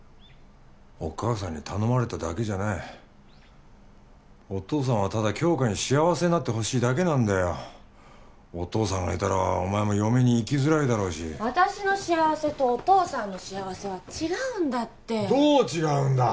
お母さんに頼まれただけじゃないお父さんはただ杏花に幸せになってほしいだけなんだよお父さんがいたらお前も嫁に行きづらいだろうし私の幸せとお父さんの幸せは違うんだってどう違うんだ？